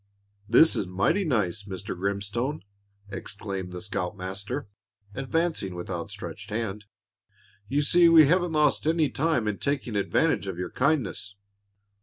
"This is mighty nice, Mr. Grimstone!" exclaimed the scoutmaster, advancing with outstretched hand. "You see we haven't lost any time in taking advantage of your kindness."